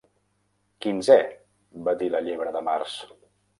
"Quinzè" va dir la llebre de març.